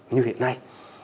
như hiện nay